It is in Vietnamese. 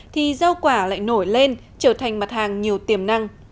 thì rau quả lại nổi lên trở thành mặt hàng nhiều tiềm năng